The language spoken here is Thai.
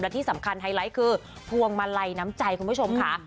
ที่สำคัญไฮไลท์คือพวงมาลัยน้ำใจคุณผู้ชมค่ะ